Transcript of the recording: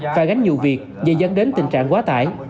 và gánh nhiều việc dễ dẫn đến tình trạng quá tải